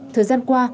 thời gian qua